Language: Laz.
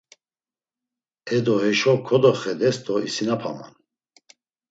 Edo, heşo kodoxedes do isinapaman.